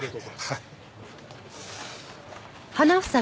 はい。